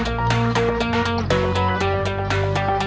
สวัสดีครับสวัสดีครับ